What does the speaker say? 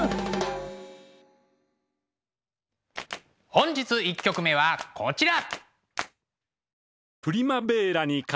本日１曲目はこちら。